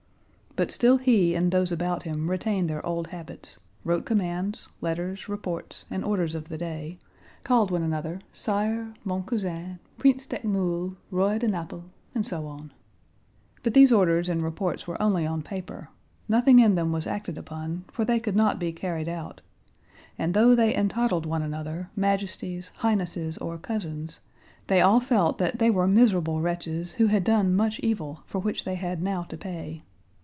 But still he and those about him retained their old habits: wrote commands, letters, reports, and orders of the day; called one another sire, mon cousin, prince d'Eckmühl, roi de Naples, and so on. But these orders and reports were only on paper, nothing in them was acted upon for they could not be carried out, and though they entitled one another Majesties, Highnesses, or Cousins, they all felt that they were miserable wretches who had done much evil for which they had now to pay.